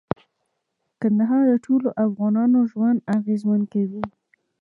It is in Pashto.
کندهار د ټولو افغانانو ژوند اغېزمن کوي.